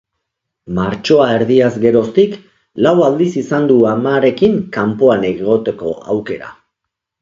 Martxoa erdiaz geroztik, lau aldiz izan du amarekin kanpoan egoteko aukera.